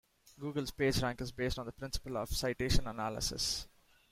Google's PageRank is based on the principle of citation analysis.